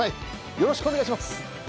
よろしくお願いします。